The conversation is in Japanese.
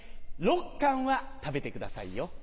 ６カンは食べてくださいよ。